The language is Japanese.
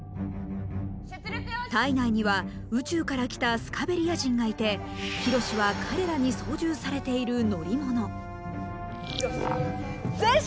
体内には宇宙から来たスカベリア人がいてヒロシは彼らに操縦されている乗り物緋炉詩前進！